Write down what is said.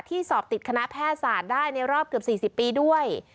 สอบติดคณะแพทยศาสตร์ได้ในรอบเกือบ๔๐ปีด้วย